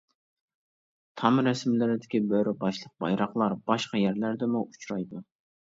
تام رەسىملىرىدىكى بۆرە باشلىق بايراقلار باشقا يەرلەردىمۇ ئۇچرايدۇ.